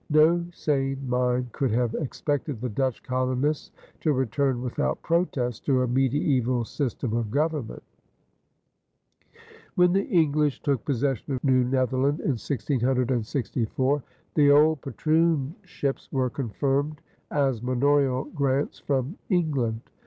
No sane mind could have expected the Dutch colonists to return without protest to a medieval system of government. When the English took possession of New Netherland in 1664, the old patroonships were confirmed as manorial grants from England.